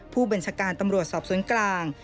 ผู้บัญชาการตำรวจสอบสวนกลาง